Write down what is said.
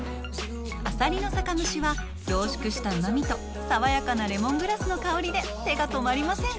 アサリの酒蒸しは、凝縮したうまみと爽やかなレモングラスの香りで手が止まりません！